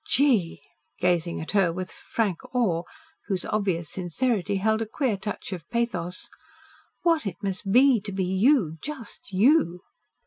Gee!" gazing at her with a frank awe whose obvious sincerity held a queer touch of pathos. "What it must be to be YOU just YOU!"